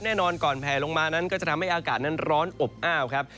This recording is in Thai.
แน่นอนก่อนแผลลงมานั้นก็จะทำให้อากาศนั้นร้อนอบอ้าวครับ